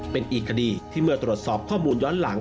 เป็นอีกคดีที่เมื่อตรวจสอบข้อมูลย้อนหลัง